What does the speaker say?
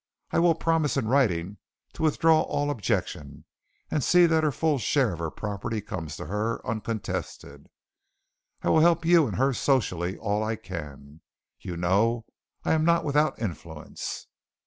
I will promise in writing to withdraw all objection, and see that her full share of her property comes to her uncontested. I will help you and her socially all I can. You know I am not without influence."